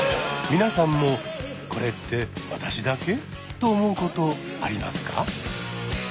皆さんも「これって私だけ？」と思うことありますか？